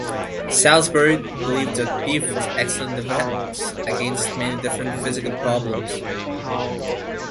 Salisbury believed that beef was excellent defense against many different physical problems.